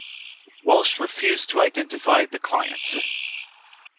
Walsh refused to identify the client.